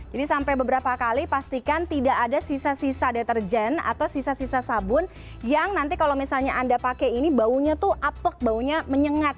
jadi sampai beberapa kali pastikan tidak ada sisa sisa deterjen atau sisa sisa sabun yang nanti kalau misalnya anda pakai ini baunya tuh apek baunya menyengat